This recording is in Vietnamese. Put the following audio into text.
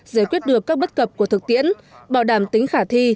giải quyết được các bất cập của thực tiễn bảo đảm tính khả thi